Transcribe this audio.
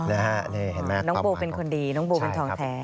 น้องโบเป็นคนดีน้องโบเป็นทองแท้